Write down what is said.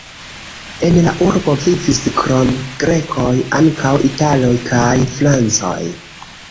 En la urbo vivis krom grekoj ankaŭ italoj kaj francoj.